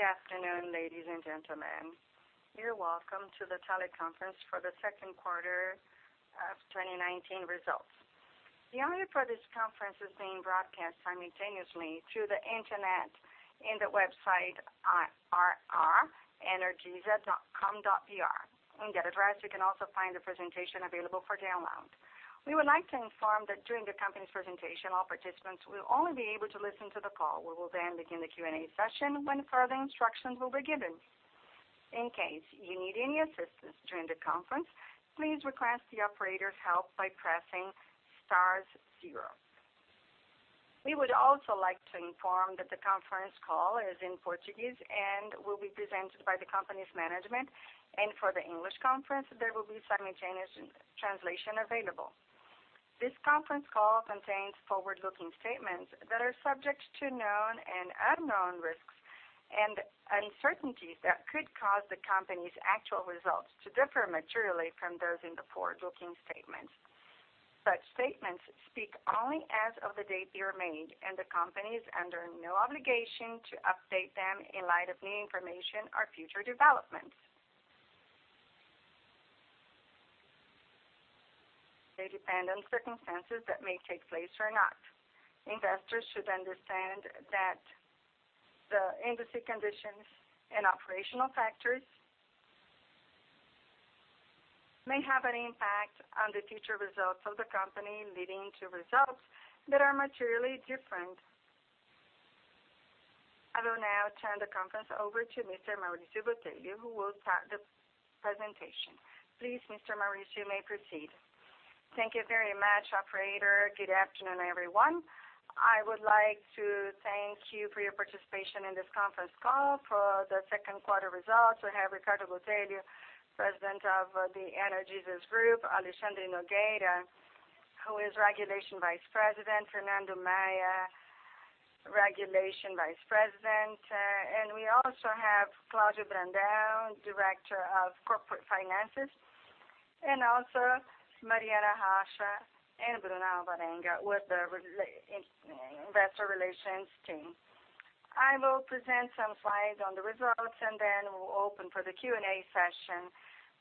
Good afternoon, ladies and gentlemen. You are welcome to the teleconference for the second quarter of 2019 results. The audio for this conference is being broadcast simultaneously through the internet on the website at ri.energisa.com.br. On that address, you can also find the presentation available for download. We would like to inform that during the company's presentation, all participants will only be able to listen to the call. We will then begin the Q&A session when further instructions will be given. In case you need any assistance during the conference, please request the operator's help by pressing star zero. We would also like to inform that the conference call is in Portuguese and will be presented by the company's management. For the English conference, there will be simultaneous translation available. This conference call contains forward-looking statements that are subject to known and unknown risks, and uncertainties that could cause the company's actual results to differ materially from those in the forward-looking statements. Such statements speak only as of the date they are made, and the company is under no obligation to update them in light of new information or future developments. They depend on circumstances that may take place or not. Investors should understand that the industry conditions and operational factors may have an impact on the future results of the company, leading to results that are materially different. I will now turn the conference over to Mr. Maurício Botelho, who will start the presentation. Please, Mr. Maurício, you may proceed. Thank you very much, operator. Good afternoon, everyone. I would like to thank you for your participation in this conference call for the second quarter results. We have Ricardo Botelho, President of the Energisa Group, Alexandre Nogueira, who is Regulation Vice President, Fernando Maia, Regulation Vice President. We also have Cláudio Brandão, Director of Corporate Finances, and also Mariana Rocha and Bruna Alvarenga with the investor relations team. I will present some slides on the results, and then we'll open for the Q&A session.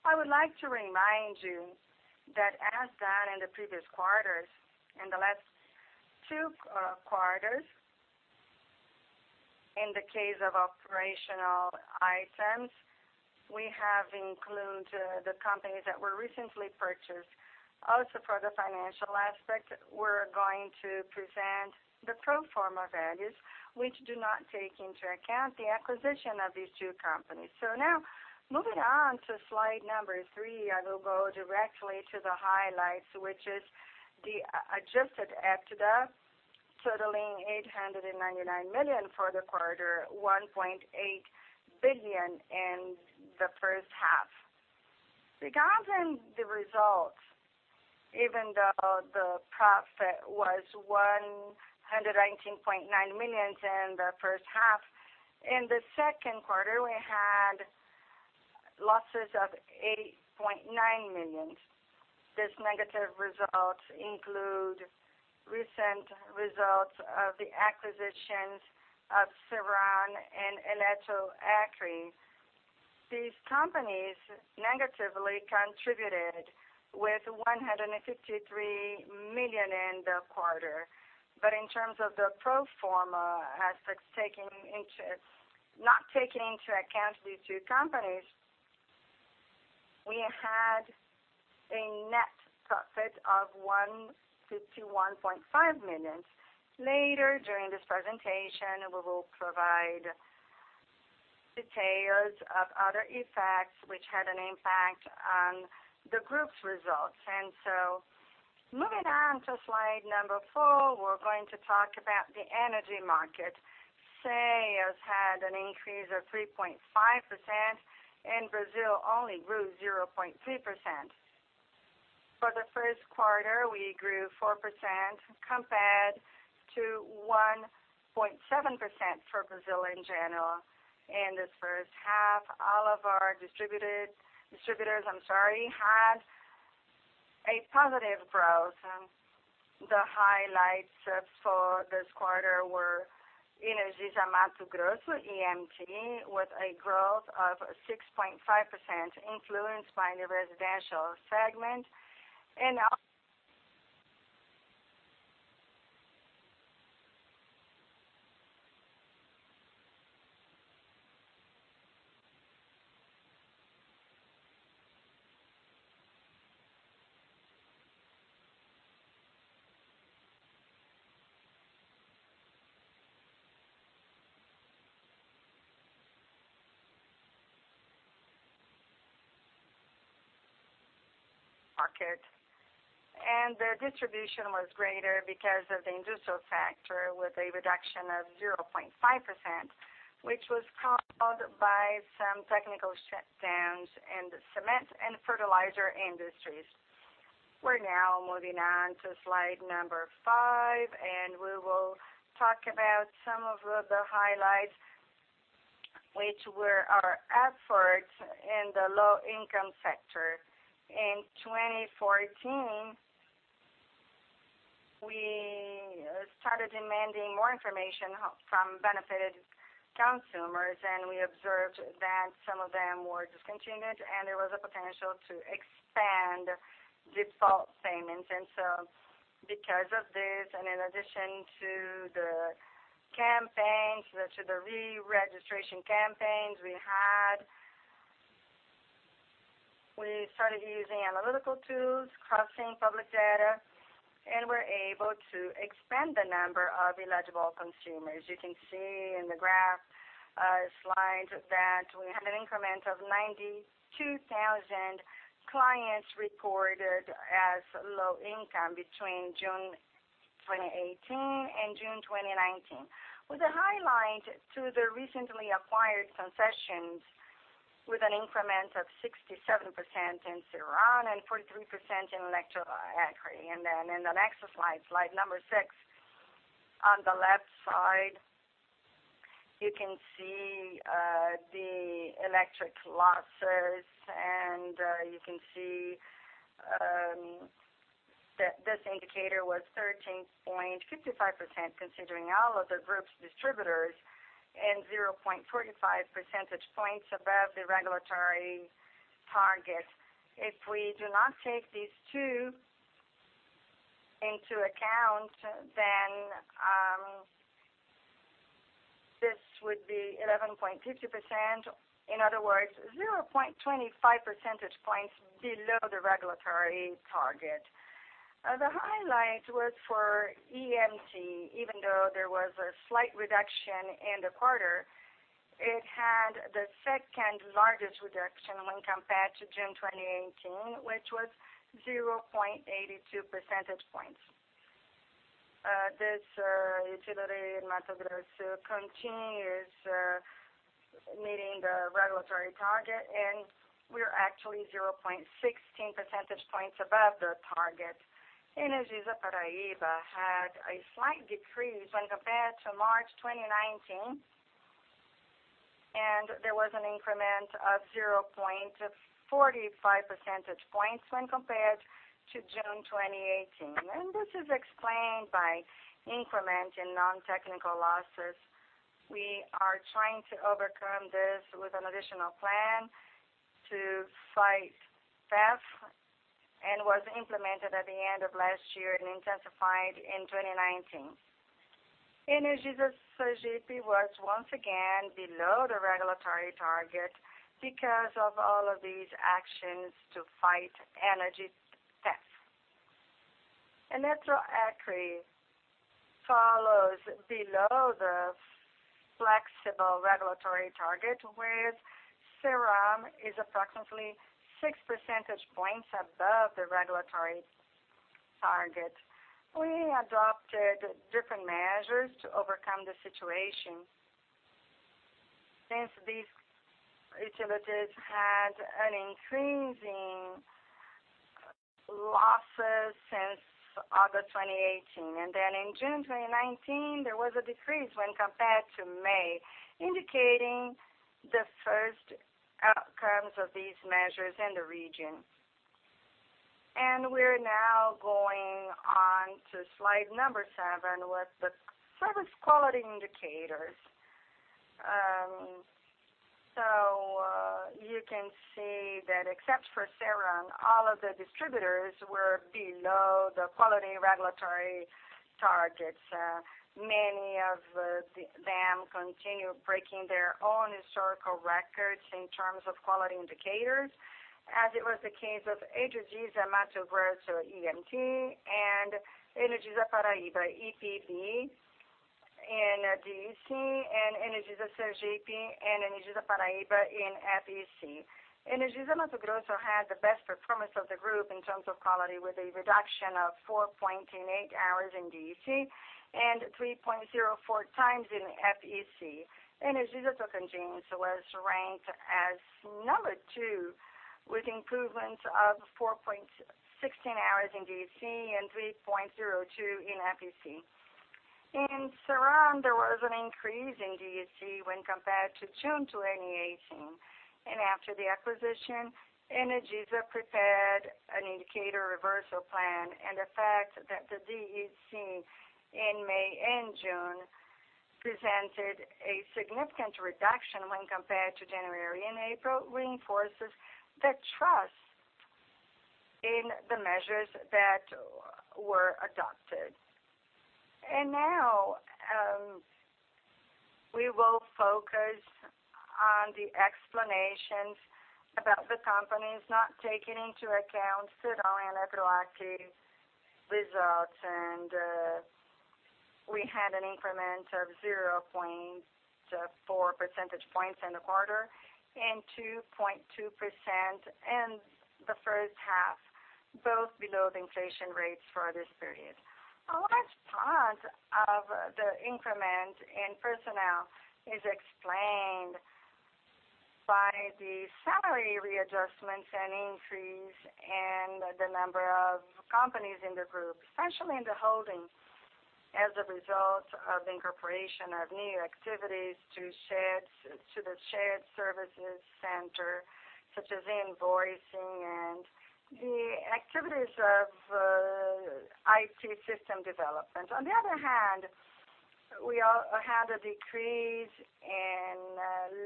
I would like to remind you that as done in the previous quarters, in the last two quarters, in the case of operational items, we have included the companies that were recently purchased. Also for the financial aspect, we're going to present the pro forma values, which do not take into account the acquisition of these two companies. Now, moving on to slide number three, I will go directly to the highlights, which is the adjusted EBITDA totaling 899 million for the quarter, 1.8 billion in the first half. Regarding the results, even though the profit was 119.9 million in the first half, in the second quarter, we had losses of 8.9 million. This negative results include recent results of the acquisitions of Ceron and Eletroacre. These companies negatively contributed with 153 million in the quarter. In terms of the pro forma aspects, not taking into account these two companies, we had a net profit of 151.5 million. Later during this presentation, we will provide details of other effects which had an impact on the group's results. Moving on to slide number four, we're going to talk about the energy market. CEAS had an increase of 3.5%, and Brazil only grew 0.3%. For the first quarter, we grew 4% compared to 1.7% for Brazil in general. In this first half, all of our distributors had a positive growth. The highlights for this quarter were Energisa Mato Grosso, EMT, with a growth of 6.5%, influenced by the residential segment and market. Their distribution was greater because of the industrial factor, with a reduction of 0.5%, which was caused by some technical shutdowns in the cement and fertilizer industries. We're now moving on to slide number five, and we will talk about some of the highlights, which were our efforts in the low-income sector. In 2014, we started demanding more information from benefited consumers, and we observed that some of them were discontinued, and there was a potential to expand default payments. Because of this, and in addition to the campaigns, to the re-registration campaigns we had, we started using analytical tools, crossing public data, and we're able to expand the number of eligible consumers. You can see in the graph slides that we have an increment of 92,000 clients reported as low income between June 2018 and June 2019, with a highlight to the recently acquired concessions with an increment of 67% in Ceron and 43% in Eletroacre. In the next slide number six, on the left side, you can see the electric losses, and you can see that this indicator was 13.55%, considering all of the group's distributors and 0.45 percentage points above the regulatory target. If we do not take these two into account, then this would be 11.50%. In other words, 0.25 percentage points below the regulatory target. The highlight was for EMT. Even though there was a slight reduction in the quarter, it had the second-largest reduction when compared to June 2018, which was 0.82 percentage points. This utility in Mato Grosso continues meeting the regulatory target. We're actually 0.16 percentage points above the target. Energisa Paraíba had a slight decrease when compared to March 2019. There was an increment of 0.45 percentage points when compared to June 2018. This is explained by increment in non-technical losses. We are trying to overcome this with an additional plan to fight theft, and was implemented at the end of last year and intensified in 2019. Energisa Sergipe was once again below the regulatory target because of all of these actions to fight energy theft. Eletroacre follows below the flexible regulatory target, with Ceron is approximately six percentage points above the regulatory target. We adopted different measures to overcome the situation since these utilities had an increase in losses since August 2018. In June 2019, there was a decrease when compared to May, indicating the first outcomes of these measures in the region. We're now going on to slide seven with the service quality indicators. You can see that except for Ceron, all of the distributors were below the quality regulatory targets. Many of them continue breaking their own historical records in terms of quality indicators, as it was the case of Energisa Mato Grosso, EMT, and Energisa Paraíba, EPB in DEC, and Energisa Sergipe and Energisa Paraíba in FEC. Energisa Mato Grosso had the best performance of the group in terms of quality, with a reduction of 4.8 hours in DEC and 3.04 times in FEC. Energisa Tocantins was ranked as number 2 with improvements of 4.16 hours in DEC and 3.02 in FEC. In Ceron, there was an increase in DEC when compared to June 2018. After the acquisition, Energisa prepared an indicator reversal plan, and the fact that the DEC in May and June presented a significant reduction when compared to January and April reinforces the trust in the measures that were adopted. Now, we will focus on the explanations about the companies not taking into account Ceron and Eletroacre results. We had an increment of 0.4 percentage points in the quarter and 2.2% in the first half, both below the inflation rates for this period. A large part of the increment in personnel is explained by the salary readjustments and increase in the number of companies in the group, especially in the holding. As a result of incorporation of new activities to the shared services center, such as invoicing and the activities of IT system development. On the other hand, we had a decrease in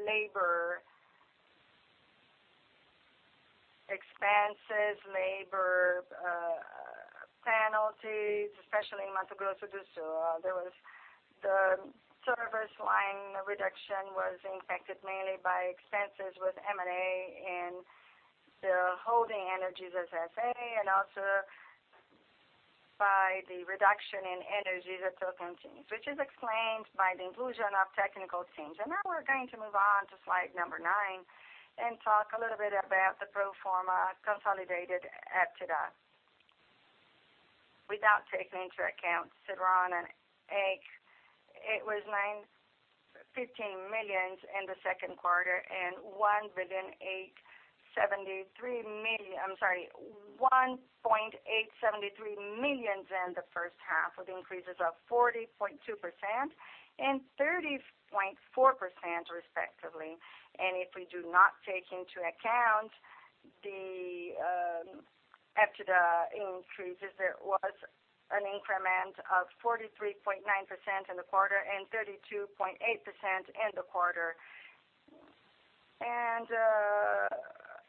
labor expenses, labor penalties, especially in Mato Grosso do Sul. The service line reduction was impacted mainly by expenses with M&A and the holding Energisa S.A., and also by the reduction in Energisa, which is explained by the inclusion of technical teams. Now we're going to move on to slide number nine and talk a little bit about the pro forma consolidated EBITDA. Without taking into account Ceron and EIC, it was 15 million in the second quarter and 1,873 million in the first half, with increases of 40.2% and 30.4%, respectively. If we do not take into account the EBITDA increases, there was an increment of 43.9% in the quarter and 32.8% in the quarter.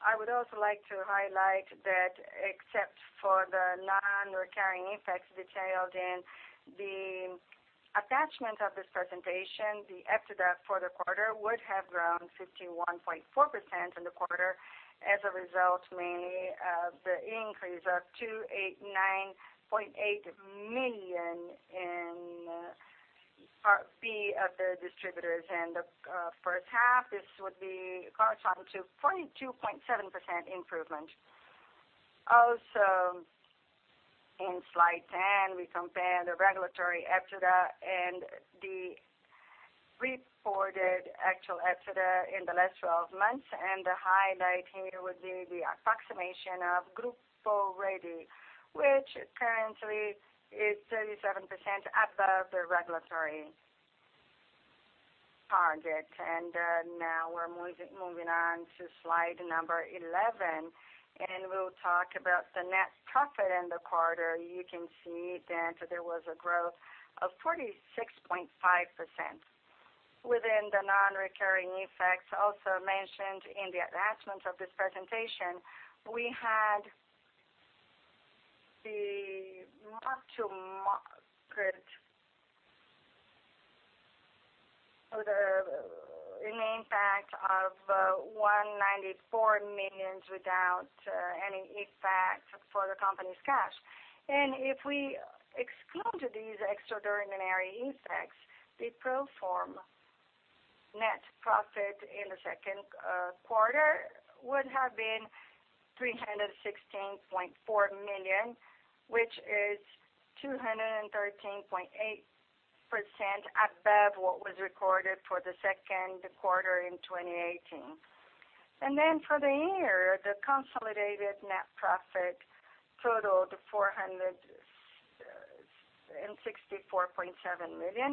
I would also like to highlight that except for the non-recurring effects detailed in the attachment of this presentation, the EBITDA for the quarter would have grown 51.4% in the quarter as a result, mainly of the increase of 289.8 million in Parcela B of the distributors in the first half. This would be corresponding to 42.7% improvement. Also, in slide 10, we compare the regulatory EBITDA and the reported actual EBITDA in the last 12 months. The highlight here would be the approximation of Grupo Rede, which currently is 37% above the regulatory target. Now we're moving on to slide number 11, and we'll talk about the net profit in the quarter. You can see that there was a growth of 46.5%. Within the non-recurring effects, also mentioned in the attachment of this presentation, we had the mark-to-market with an impact of 194 million without any effect for the company's cash. If we exclude these extraordinary effects, the pro forma net profit in the second quarter would have been 316.4 million, which is 213.8% above what was recorded for the second quarter in 2018. For the year, the consolidated net profit totaled 464.7 million,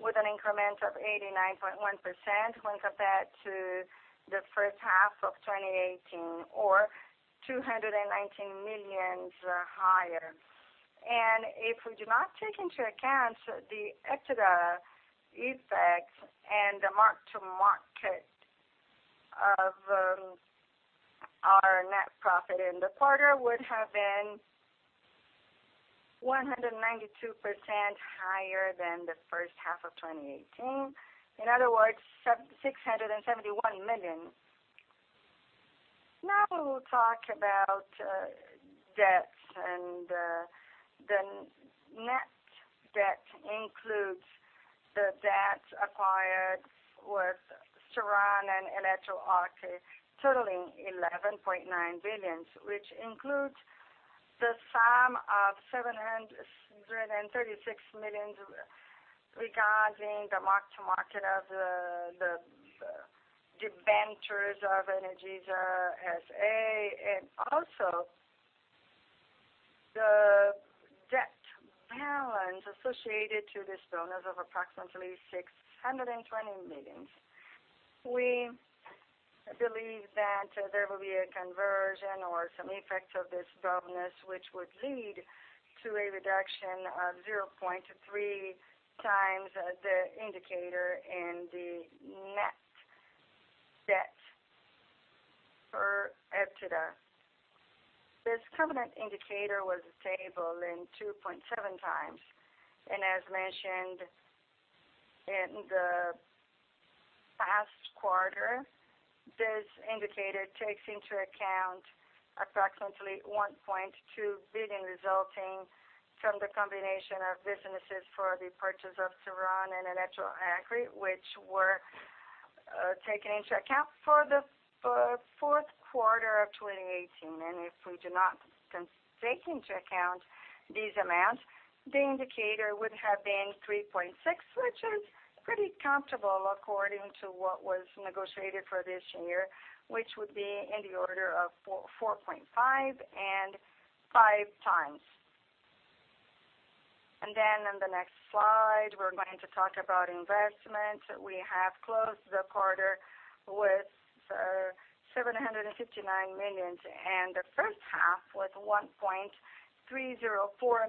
with an increment of 89.1% when compared to the first half of 2018, or 219 million higher. If we do not take into account the EBITDA effects and the mark-to-market of our net profit in the quarter would have been 192% higher than the first half of 2018. In other words, 671 million. We will talk about debts. The net debt includes the debts acquired with Ceron and Eletroacre, totaling 11.9 billion, which includes the sum of 736 million regarding the mark-to-market of the debentures of Energisa S.A., and also the debt balance associated to these bonds of approximately 620 million. We believe that there will be a conversion or some effects of these bonds, which would lead to a reduction of 0.3 times the indicator in the Net Debt to EBITDA. This covenant indicator was stable in 2.7 times. As mentioned in the past quarter, this indicator takes into account approximately 1.2 billion resulting from the combination of businesses for the purchase of Ceron and Eletroacre, which were taken into account for the fourth quarter of 2018. If we do not take into account these amounts, the indicator would have been 3.6, which is pretty comfortable according to what was negotiated for this year, which would be in the order of 4.5 and five times. On the next slide, we're going to talk about investments. We have closed the quarter with 759 million, and the first half with 1.304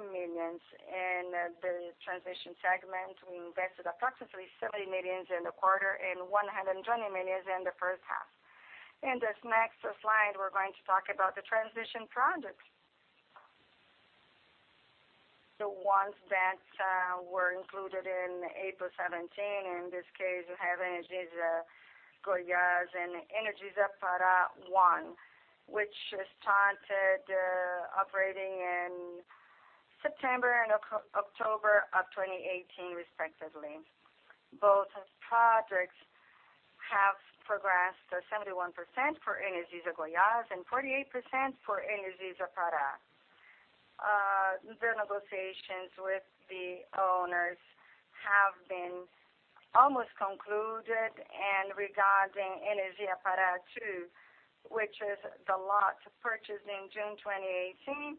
million. In the transmission segment, we invested approximately 70 million in the quarter and 120 million in the first half. In this next slide, we're going to talk about the transmission projects. The ones that were included in April 2017. In this case, we have Energisa Goiás and Energisa Pará One, which started operating in September and October of 2018, respectively. Both projects have progressed to 71% for Energisa Goiás and 48% for Energisa Pará. The negotiations with the owners have been almost concluded. Regarding Energisa Pará II, which is the lot purchased in June 2018,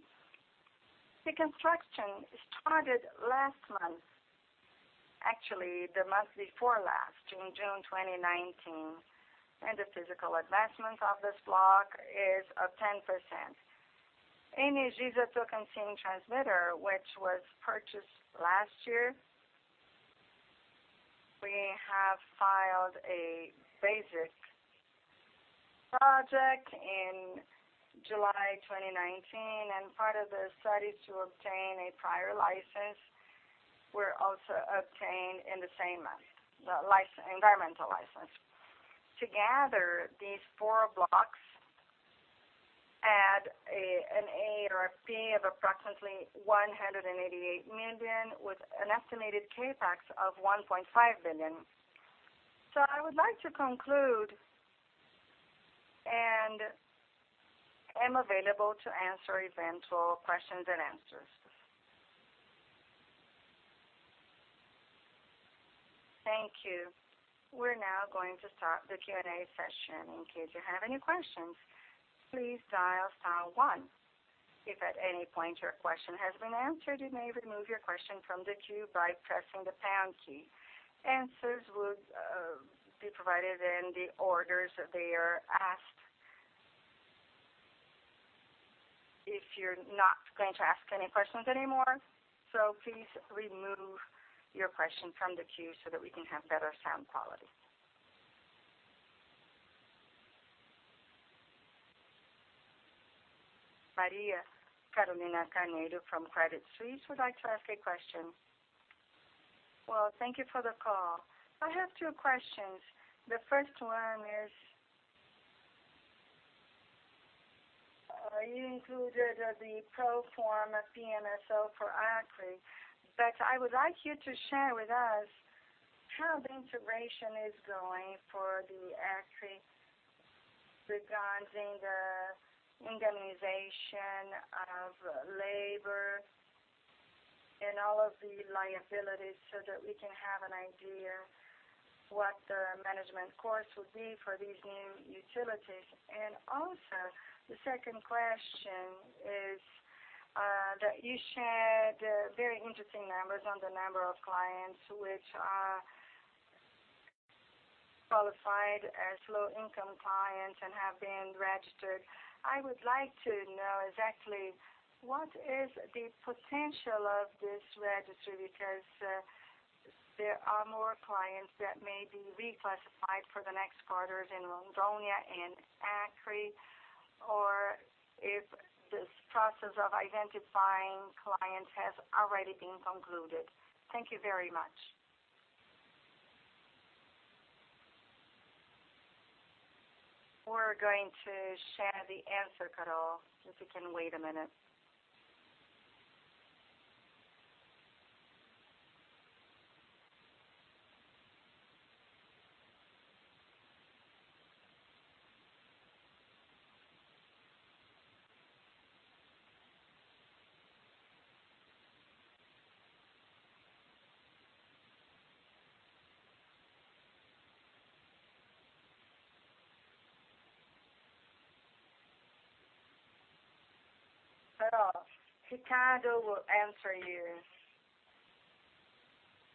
the construction started last month. Actually, the month before last, in June 2019. The physical advancement of this block is at 10%. Energisa Tocantins Transmissora, which was purchased last year, we have filed a basic project in July 2019, and part of the studies to obtain a prior license were also obtained in the same month, the environmental license. Together, these four blocks add an RAP of approximately 188 million, with an estimated CapEx of 1.5 billion. I would like to conclude, and I am available to answer eventual questions and answers. Thank you. We are now going to start the Q&A session. In case you have any questions, please dial star one. If at any point your question has been answered, you may remove your question from the queue by pressing the pound key. Answers would be provided in the order they are asked. If you're not going to ask any questions anymore, please remove your question from the queue so that we can have better sound quality. Maria Carolina Carneiro from Credit Suisse would like to ask a question. Well, thank you for the call. I have two questions. The first one is, you included the pro forma PMSO for Acre. I would like you to share with us how the integration is going for Acre regarding the indemnification of labor and all of the liabilities so that we can have an idea what the management costs would be for these new utilities. The second question is that you shared very interesting numbers on the number of clients, which are qualified as low-income clients and have been registered. I would like to know exactly what is the potential of this registry, because there are more clients that may be reclassified for the next quarters in Rondônia and Acre, or if this process of identifying clients has already been concluded. Thank you very much. We're going to share the answer, Carol, if you can wait a minute. Carol, Ricardo will answer you.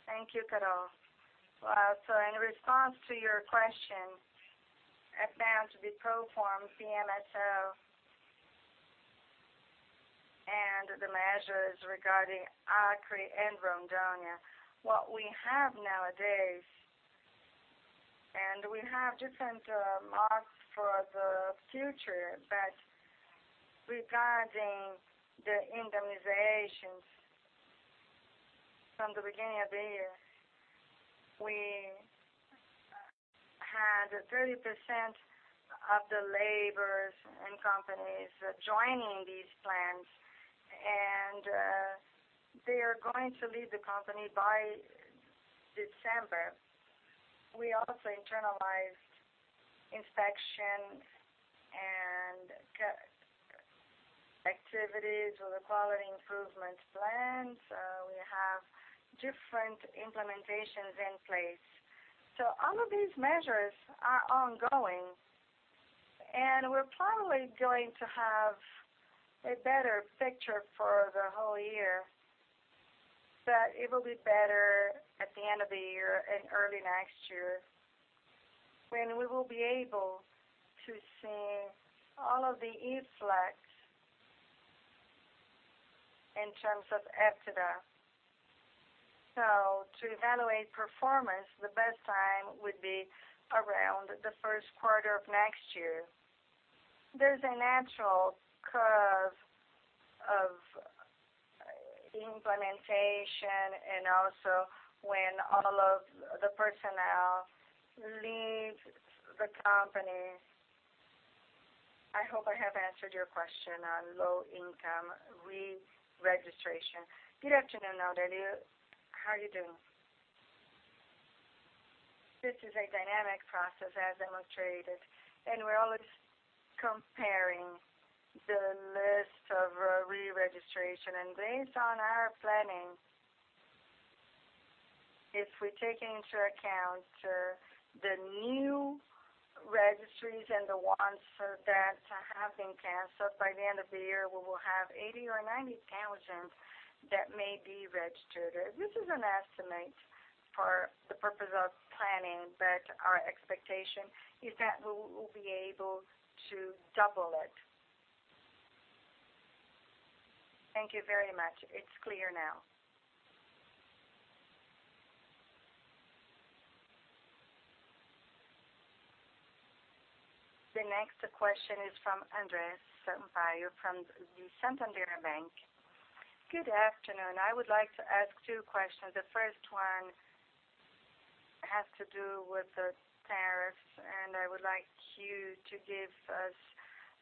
Thank you, Carol. In response to your question about the pro forma PMSO and the measures regarding Acre and Rondônia, what we have nowadays, and we have different marks for the future, but regarding the indemnizations from the beginning of the year, we had 30% of the laborers and companies joining these plans, and they are going to leave the company by December. We also internalized inspection and activities with the quality improvement plans. We have different implementations in place. All of these measures are ongoing. We're probably going to have a better picture for the whole year. It will be better at the end of the year and early next year when we will be able to see all of the effects in terms of EBITDA. To evaluate performance, the best time would be around the first quarter of next year. There's a natural curve of implementation, and also when all of the personnel leave the company. I hope I have answered your question on low-income re-registration. Good afternoon, Carolina. How are you doing? This is a dynamic process, as illustrated, and we're always comparing the list of re-registration. Based on our planning, if we take into account the new registries and the ones that have been canceled, by the end of the year, we will have 80,000 or 90,000 that may be registered. This is an estimate for the purpose of planning, but our expectation is that we will be able to double it. Thank you very much. It's clear now. The next question is from Andre Sampaio from the Santander Bank. Good afternoon. I would like to ask two questions. The first one has to do with the tariffs, and I would like you to give us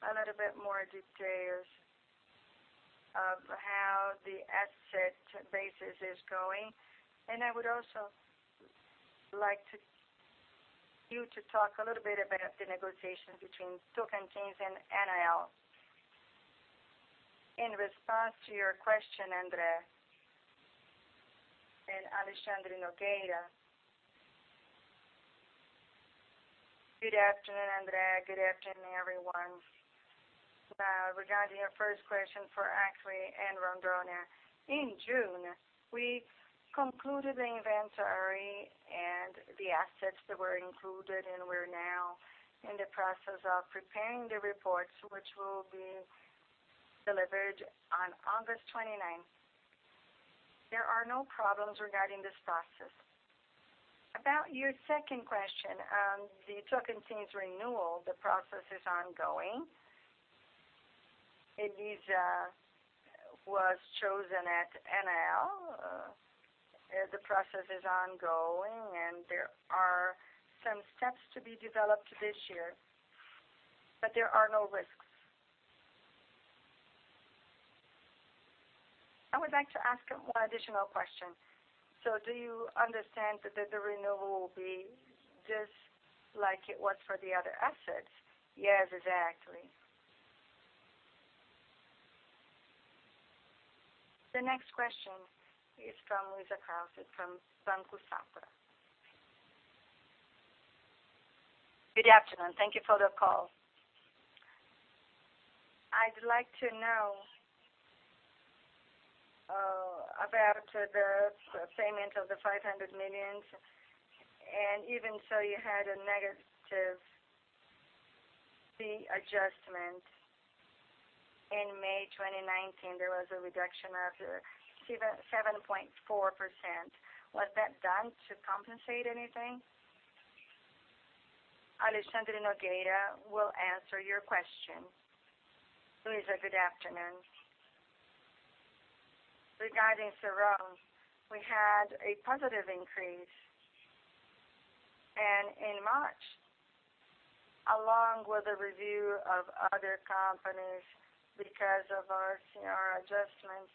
a little bit more details of how the asset basis is going. I would also like you to talk a little bit about the negotiations between Tocantins and ANEEL. In response to your question, Andre, and Alexandre Nogueira. Good afternoon, Andre. Good afternoon, everyone. Regarding your first question for Acre and Rondônia. In June, we concluded the inventory and the assets that were included, and we're now in the process of preparing the reports, which will be delivered on August 29th. There are no problems regarding this process. About your second question on the Tocantins renewal, the process is ongoing. Elisa was chosen at ANEEL. The process is ongoing, and there are some steps to be developed this year, but there are no risks. I would like to ask one additional question. Do you understand that the renewal will be just like it was for the other assets? Yes, exactly. The next question is from Luiza Cawell from Banco Safra. Good afternoon. Thank you for the call. I'd like to know about the payment of the 500 million, and even so, you had a negative CVA adjustment. In May 2019, there was a reduction of 7.4%. Was that done to compensate anything? Alexandre Nogueira will answer your question. Luiza, good afternoon. Regarding Ceron, we had a positive increase. In March, along with the review of other companies because of our CVA adjustments,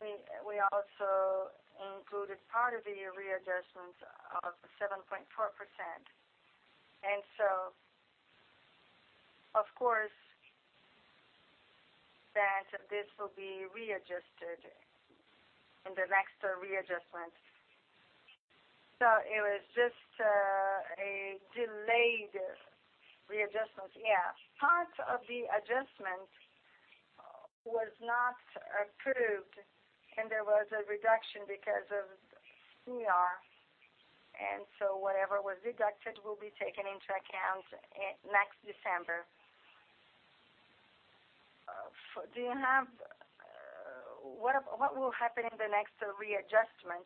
we also included part of the readjustment of 7.4%. Of course, that this will be readjusted in the next readjustment. It was just a delayed readjustment? Yeah. Part of the adjustment was not approved, and there was a reduction because of CVA. Whatever was deducted will be taken into account next December. What will happen in the next reduction in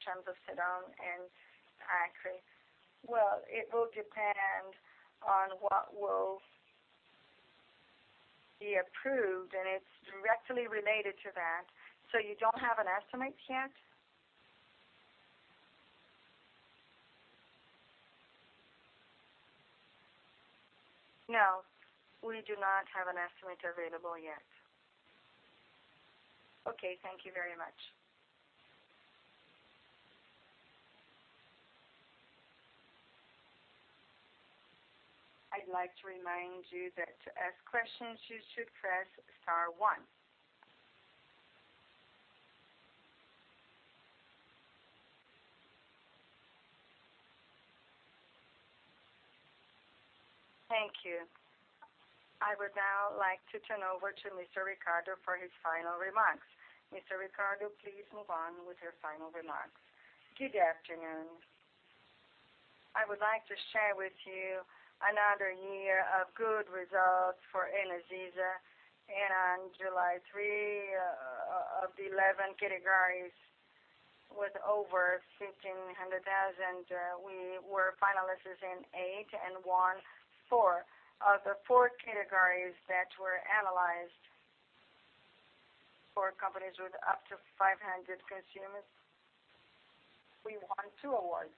terms of Ceron and Acre? It will depend on what will be approved, and it's directly related to that. You don't have an estimate yet? No, we do not have an estimate available yet. Okay. Thank you very much. I'd like to remind you that to ask questions, you should press star one. Thank you. I would now like to turn over to Mr. Ricardo for his final remarks. Mr. Ricardo, please move on with your final remarks. Good afternoon. I would like to share with you another year of good results for Energisa. July three of the 11 categories with over 1,500,000, we were finalists in eight and won four. Of the four categories that were analyzed for companies with up to 500 consumers, we won two awards.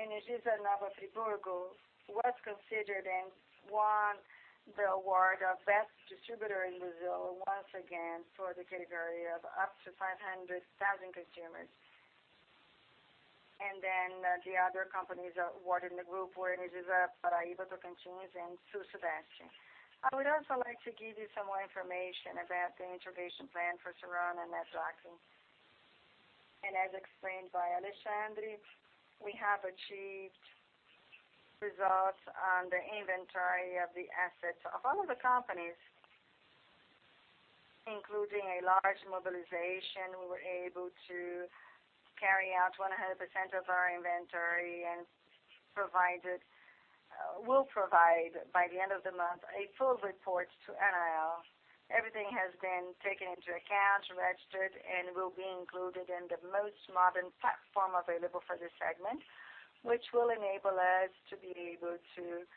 Energisa Nova Friburgo was considered and won the award of Best Distributor in Brazil once again for the category of up to 500,000 consumers. The other companies awarded in the group were Energisa Paraíba, Tocantins, and Energisa Sul-Sudeste. I would also like to give you some more information about the integration plan for Ceron and Eletroacre. As explained by Alexandre, we have achieved results on the inventory of the assets of all of the companies, including a large mobilization. We were able to carry out 100% of our inventory and will provide, by the end of the month, a full report to ANEEL. Everything has been taken into account, registered, and will be included in the most modern platform available for this segment, which will enable us to be able to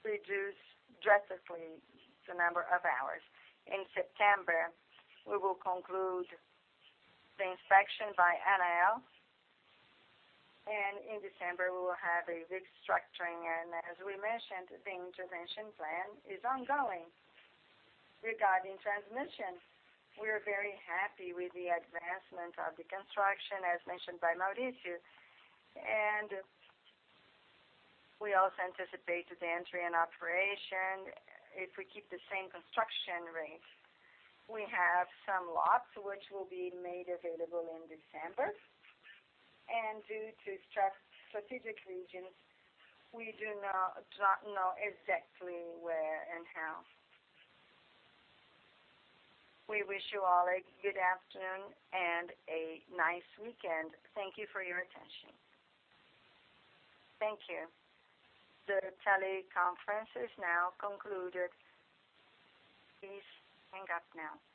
reduce drastically the number of hours. In September, we will conclude the inspection by NIL, and in December, we will have a restructuring. As we mentioned, the intervention plan is ongoing. Regarding transmission, we are very happy with the advancement of the construction, as mentioned by Mauricio, and we also anticipate the entry and operation if we keep the same construction rate. We have some lots which will be made available in December, and due to strategic reasons, we do not know exactly where and how. We wish you all a good afternoon and a nice weekend. Thank you for your attention. Thank you. The teleconference is now concluded. Please hang up now.